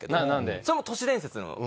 それも都市伝説。